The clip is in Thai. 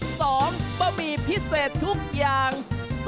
๒ป้อมมีพิเศษทุกอย่าง